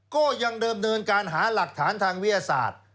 ก็ยังเดิมเนินการหาหลักฐานทางวิทยาศาสตร์